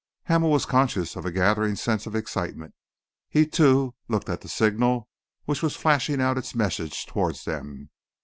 Hamel was conscious of a gathering sense of excitement. He, too, looked at the signal which was flashing out its message towards them.